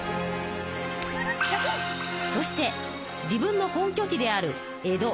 そして自分の本拠地である江戸